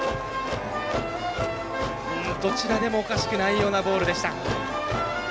どちらでもおかしくないようなボールでした。